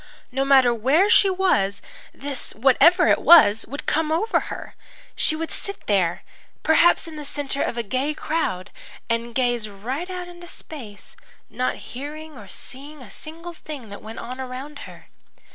No matter where she was, this, whatever it was, would come over her. She would sit there, perhaps in the centre of a gay crowd, and gaze right out into space, not hearing or seeing a single thing that went on around her.